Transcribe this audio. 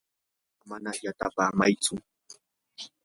amana yatapamaychu.